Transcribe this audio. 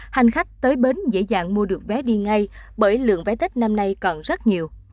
hành khách tới bến dễ dàng mua được vé đi ngay bởi lượng vé tết năm nay còn rất nhiều